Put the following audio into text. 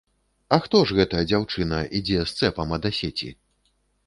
А хто ж гэта, дзяўчына, ідзе з цэпам ад асеці?